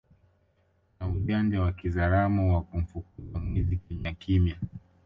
na ujanja wa kizaramo wa kumfukuza mwizi kimyakimya